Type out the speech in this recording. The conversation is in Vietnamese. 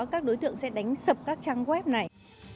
các đối tượng sẽ đánh sập các trang web này